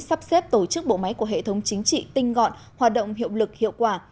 sắp xếp tổ chức bộ máy của hệ thống chính trị tinh gọn hoạt động hiệu lực hiệu quả